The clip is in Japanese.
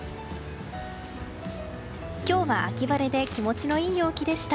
今日は秋晴れで気持ちのいい陽気でした。